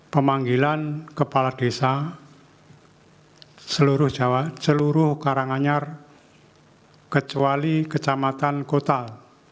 pemanggilan kepala desa seluruh jawa seluruh karanganyar kecuali kecamatan kotal